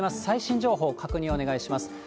最新情報、確認をお願いします。